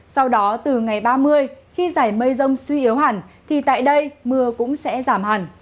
sau đó từ ngày ba mươi khi giải mây rông suy yếu hẳn thì tại đây mưa cũng sẽ giảm hẳn